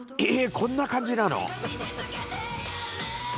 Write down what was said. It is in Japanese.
こんな感じなの？